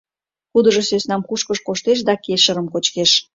— Кудыжо сӧснам кушкыж коштеш да кешырым кочкеш.